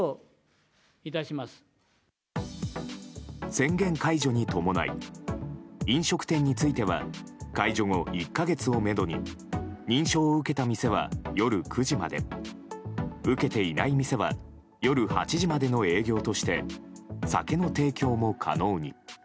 宣言解除に伴い飲食店については解除後１か月をめどに認証を受けた店は夜９時まで受けていない店は夜８時までの営業として酒の提供も可能に。